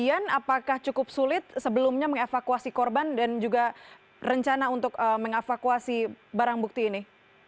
apakah cukup sulit sebelumnya mengevakuasi korban dan juga rencana untuk mengevakuasi barang bukti ini